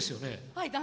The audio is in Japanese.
はい。